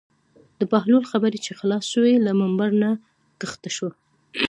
د بهلول خبرې چې خلاصې شوې له ممبر نه کښته شو.